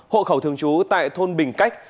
hộ khẩu thường trú tại thôn bình cách